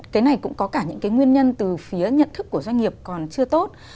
cái này cũng có cả những cái nguyên nhân từ phía nhận thức của doanh nghiệp còn chưa tốt